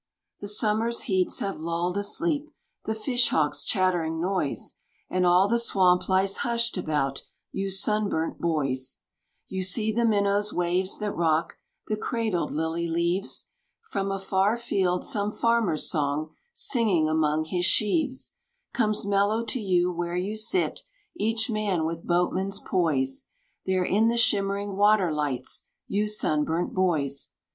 The summer's heats have lulled asleep The fish hawk's chattering noise, And all the swamp lies hushed about You sunburnt boys. You see the minnow's waves that rock The cradled lily leaves. From a far field some farmer's song, Singing among his sheaves, Comes mellow to you where you sit, Each man with boatman's poise, There, in the shimmering water lights, You sunburnt boys.